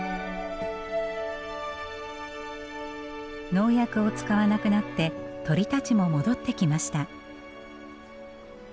農薬を使わなくなって鳥たちも戻ってきました。